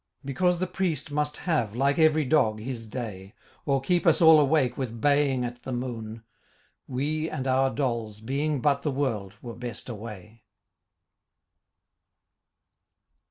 Because the priest must have like every dog his day Or keep us all awake with baying at the moon, We and our dolls being but the world were best away.